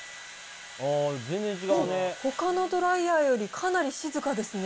ほかのドライヤーよりかなり静かですね。